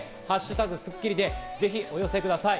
「＃スッキリ」でぜひお寄せください。